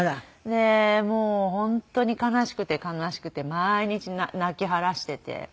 でもう本当に悲しくて悲しくて毎日泣き腫らしていて。